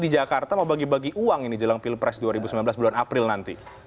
di jakarta mau bagi bagi uang ini jelang pilpres dua ribu sembilan belas bulan april nanti